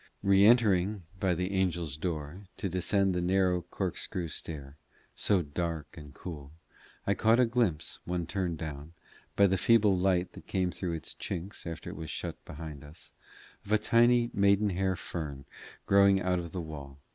Reentering by the angels' door to descend the narrow cork screw stair, so dark and cool, I caught a glimpse, one turn down, by the feeble light that came through its chinks after it was shut behind us, of a tiny maiden hair fern growing out of the wall.